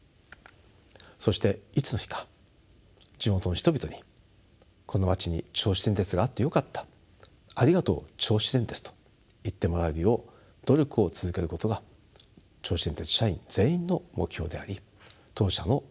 そしていつの日か地元の人々にこの町に銚子電鉄があってよかったありがとう銚子電鉄と言ってもらえるよう努力を続けることが銚子電鉄社員全員の目標であり当社の経営理念そのものであります。